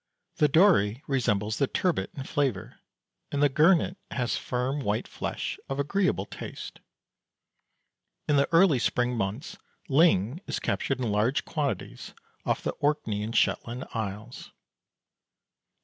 The dory resembles the turbot in flavour, and the gurnet has firm white flesh, of agreeable taste. In the early spring months ling is captured in large quantities off the Orkney and Shetland Isles.